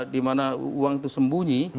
di mana uang itu sembunyi